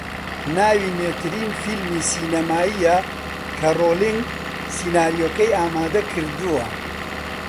ناوی نوێترین فیلمی سینەماییە کە رۆلینگ سیناریۆکەی ئامادەکردووە